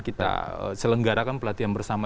kita selenggarakan pelatihan bersama